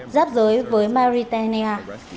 giáp giới với mauritania